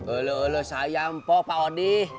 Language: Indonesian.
ulu ulu sayang pak odi